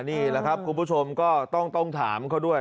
นี่แหละครับคุณผู้ชมก็ต้องถามเขาด้วย